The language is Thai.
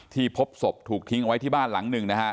พบศพถูกทิ้งเอาไว้ที่บ้านหลังหนึ่งนะฮะ